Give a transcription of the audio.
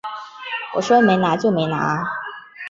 我说没拿就没拿啊